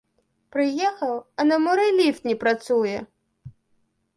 Прыехаў, а на муры ліфт не працуе!